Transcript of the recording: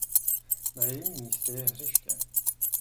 Na jejím místě je hřiště.